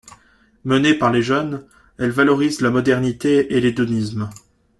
Menée par les jeunes, elle valorise la modernité et l'hédonisme.